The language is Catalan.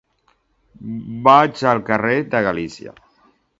Vaig al carrer de Galícia.